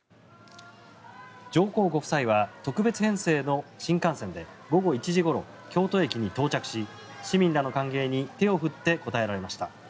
上皇ご夫妻は特別編成の新幹線で午後１時ごろ、京都駅に到着し市民らの歓迎に手を振って応えられました。